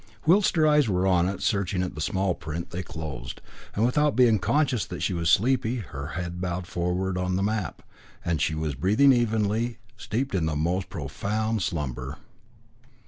Whilst her eyes were on it, searching the small print, they closed, and without being conscious that she was sleepy, her head bowed forward on the map, and she was breathing evenly, steeped in the most profound slumber.